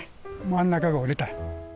真ん中が折れた。